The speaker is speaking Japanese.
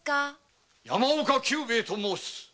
山岡久兵衛と申す。